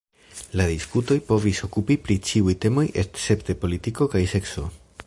La diskutoj povis okupi pri ĉiuj temoj escepte politiko kaj sekso.